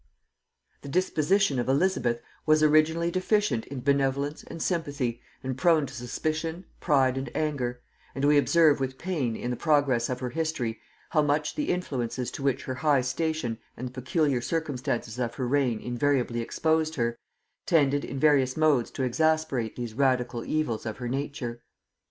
The disposition of Elizabeth was originally deficient in benevolence and sympathy, and prone to suspicion, pride and anger; and we observe with pain in the progress of her history, how much the influences to which her high station and the peculiar circumstances of her reign inevitably exposed her, tended in various modes to exasperate these radical evils of her nature.